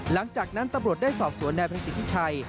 หลังจากนั้นตรวจได้สอบสวนในพฤติธิชัย